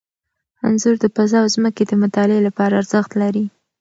انځور د فضا او ځمکې د مطالعې لپاره ارزښت لري.